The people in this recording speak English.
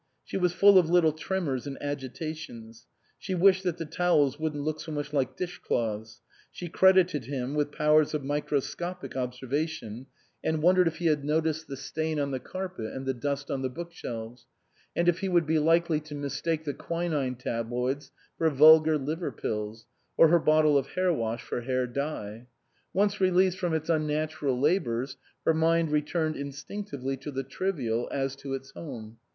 She was full of little tremors and agitations ; she wished that the towels wouldn't look so much like dish cloths ; she credited him with powers of microscopic obser vation, and wondered if he had noticed the 234 BASTIAN CAUTLEY, M.D stain on the carpet and the dust on the book shelves, and if he would be likely to mistake the quinine tabloids for vulgar liver pills, or her bottle of hair wash for hair dye. Once released from its unnatural labours, her mind returned instinctively to the trivial as to its home.